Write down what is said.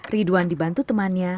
ridwan dibantu temannya